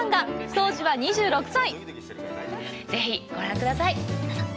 当時は２６歳！